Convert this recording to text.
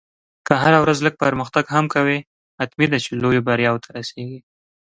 که هره ورځ لږ پرمختګ هم کوې، حتمي ده چې لویو بریاوو ته رسېږې.